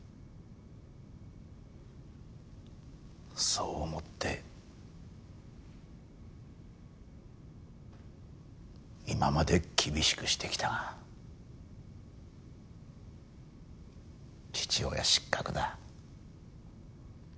そう思って今まで厳しくしてきたが父親失格だ。